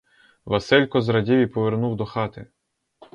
Василько зрадів і повернув до хати.